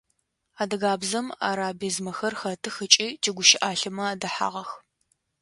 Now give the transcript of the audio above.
Адыгабзэм арабизмэхэр хэтых ыкӏи тигущыӏалъэмэ адэхьагъэх.